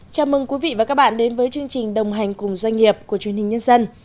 chào mừng quý vị và các bạn đến với chương trình đồng hành cùng doanh nghiệp của truyền hình nhân dân